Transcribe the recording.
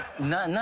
何？